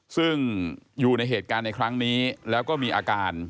ซึ่งอยู่ในเหตุการณ์ในครั้งนี้แล้วก็มีอาการ